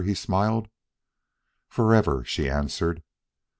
he smiled. "Forever," she answered.